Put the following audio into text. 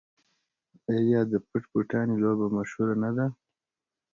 آیا د پټ پټانې لوبه مشهوره نه ده؟